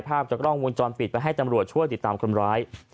ภาพจากกล้องวงจรปิดไปให้ตำรวจช่วยติดตามคนร้าย